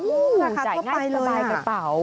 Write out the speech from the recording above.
วู้ราคาก็ไปเลยน่ะราคาก็ไปกระเป๋า